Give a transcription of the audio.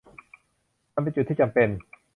มันเป็นจุดที่จำเป็น